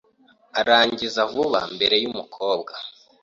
arangiza vuba mbere y’umukobwa